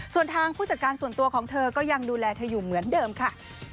ส่วนทางผู้จัดการส่วนตัวของเธอก็ยังดูแลเธออยู่เหมือนเดิมค่ะ